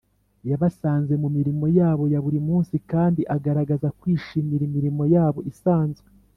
. Yabasanze mu mirimo yabo ya buri munsi, kandi agaragaza kwishimira imirimo yabo isanzwe.